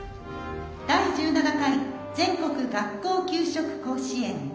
「第１７回全国学校給食甲子園」優勝。